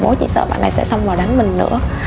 bố chỉ sợ bạn này sẽ xông vào đánh mình nữa